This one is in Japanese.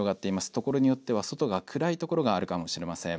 ところによっては、外が暗い所があるかもしれません。